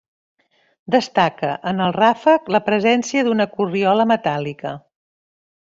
Destaca, en el ràfec, la presència d'una corriola metàl·lica.